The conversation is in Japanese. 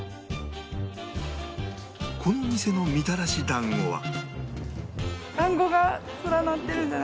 この店のみたらし団子は